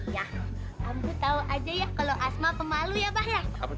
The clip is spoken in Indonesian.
iya ambu tahu aja ya kalau asma pemalu ya bah ya